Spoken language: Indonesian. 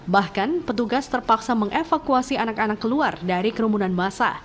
bahkan petugas terpaksa mengevakuasi anak anak keluar dari kerumunan masa